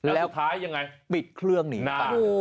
แล้วสุดท้ายยังไงปิดเครื่องหนีหน้า